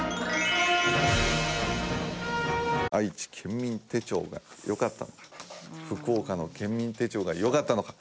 愛知県民手帳がよかったのか福岡の県民手帳がよかったのか。